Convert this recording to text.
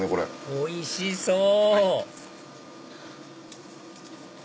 おいしそう！